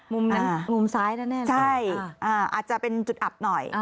มุมซ้ายน่ะแน่นอนใช่อ่าอาจจะเป็นจุดอับหน่อย